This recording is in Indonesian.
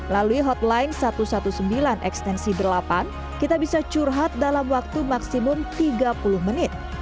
lalu hotline satu ratus sembilan belas ekstensi delapan kita bisa curhat dalam waktu maksimum tiga puluh menit